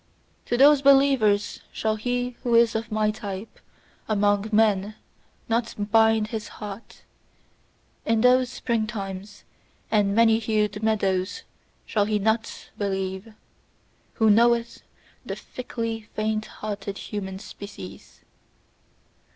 To those believers shall he who is of my type among men not bind his heart; in those spring times and many hued meadows shall he not believe, who knoweth the fickly faint hearted human species!